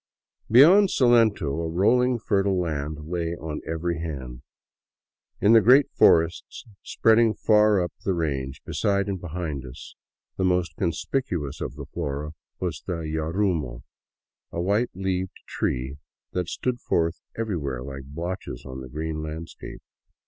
Beyond Salento a rolling fertile land lay on every hand. In the great forests spreading far up the range beside and behind us, the most conspicuous of the flora was the yanimo, a white leaved tree that stood forth everywhere like blotches on the green landscape.